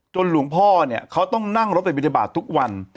หลวงพ่อเนี่ยเขาต้องนั่งรถไปบินทบาททุกวัน